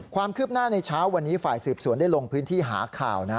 ความคืบหน้าในเช้าวันนี้ฝ่ายสืบสวนได้ลงพื้นที่หาข่าวนะ